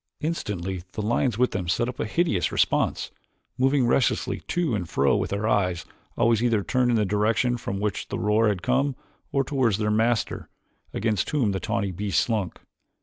Instantly the lions with them set up a hideous response, moving restlessly to and fro with their eyes always either turned in the direction from which the roar had come or toward their masters, against whom the tawny beasts slunk.